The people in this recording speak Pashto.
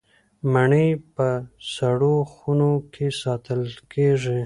مڼې په سړو خونو کې ساتل کیږي.